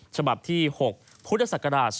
ฉบับที่๖พศ๒๕๕๘